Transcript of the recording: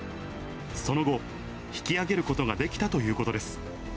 その後、引き上げることができたということです。